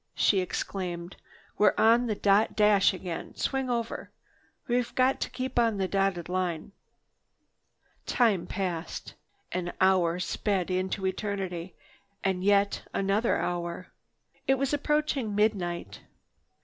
she exclaimed, "We're on the dot dash again. Swing over. We've got to keep on the dotted line." Time passed. An hour sped into eternity, and yet another hour. It was approaching midnight.